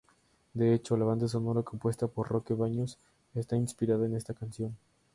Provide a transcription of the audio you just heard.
De hecho, la banda sonora, compuesta por Roque Baños, está inspirada en esta canción.